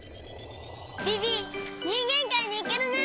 ビビにんげんかいにいけるね。